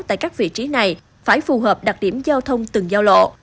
tại các vị trí này phải phù hợp đặc điểm giao thông từng giao lộ